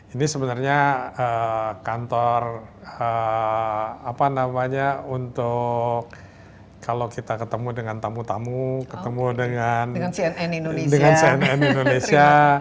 ini sebenarnya kantor apa namanya untuk kalau kita ketemu dengan tamu tamu ketemu dengan cnn indonesia